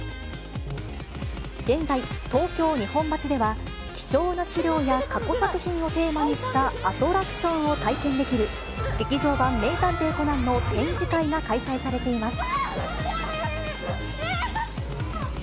現在、東京・日本橋では、貴重な資料や過去作品をテーマにしたアトラクションを体験できる、劇場版名探偵コナンの展示会が開催されています。